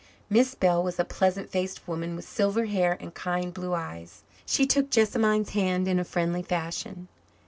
Miss Bell was a pleasant faced woman with silver hair and kind blue eyes. She took Jessamine's hand in a friendly fashion.